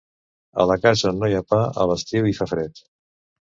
A la casa on no hi ha pa, a l'estiu hi fa fred.